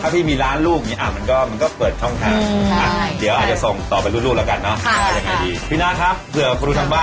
ให้หนูนี่ให้หนูได้ไหมได้ได้